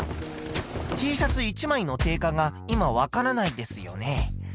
Ｔシャツ１枚の定価が今わからないんですよね。